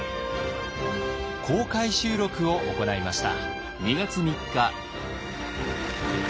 公開収録を行いました。